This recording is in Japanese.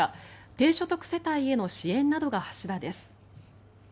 低所得世帯への支援などが柱です。